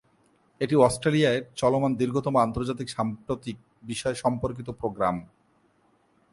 এটি অস্ট্রেলিয়ায় চলমান দীর্ঘতম আন্তর্জাতিক সাম্প্রতিক বিষয় সম্পর্কিত প্রোগ্রাম।